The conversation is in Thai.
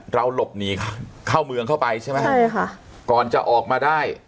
เราหลบหนีเข้าเมืองเข้าไปใช่ไหมใช่ค่ะก่อนจะออกมาได้